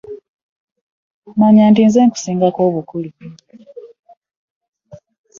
Manya nti nze nkusingako obukulu.